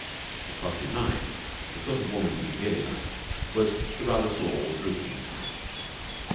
It crossed his mind that the sort of woman he really liked was the rather small, drooping type.